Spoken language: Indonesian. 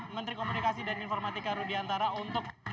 menteri komunikasi dan informatika rudiantara untuk